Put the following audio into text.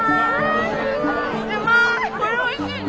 これおいしいね。